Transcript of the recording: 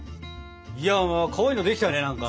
いやかわいいのできたね何か。